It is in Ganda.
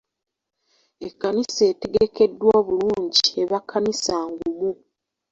Ekkanisa etegekeddwa obulungi eba kkanisa ngumu.